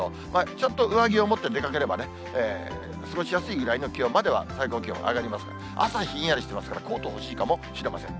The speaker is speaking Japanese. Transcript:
ちょっと上着を持って出かければね、過ごしやすいぐらいの気温までは最高気温上がりますが、朝ひんやりしてますから、コート欲しいかもしれません。